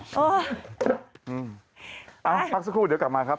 พักสักครู่เดี๋ยวกลับมาครับ